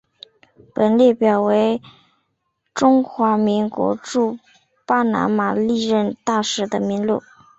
本列表为中华民国驻巴拿马历任大使的名录。